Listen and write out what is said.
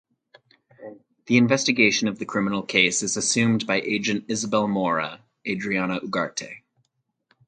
The investigation of the criminal case is assumed by agent Isabel Mora (Adriana Ugarte).